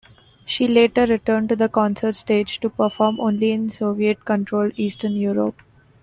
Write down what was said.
She later returned to the concert stage to perform only in Soviet-controlled Eastern Europe.